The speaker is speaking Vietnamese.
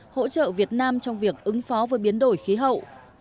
hỗ trợ việt nam trong việc ứng phó với biến đổi khí hậu